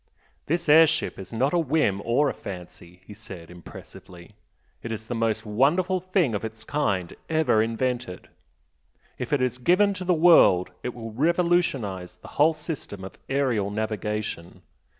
"This air ship is not a 'whim' or a 'fancy'" he said, impressively "It is the most wonderful thing of its kind ever invented! If it is given to the world it will revolutionise the whole system of aerial navigation.